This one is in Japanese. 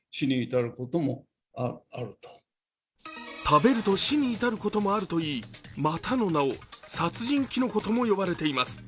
食べると死に至ることもあるといい、またの名を、殺人きのことも呼ばれています。